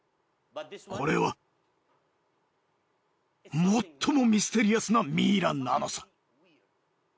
これは最もミステリアスなミイラなのさ。